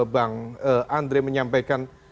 bang andre menyampaikan